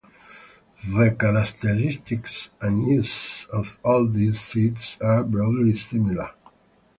The characteristics and uses of all these seeds are broadly similar.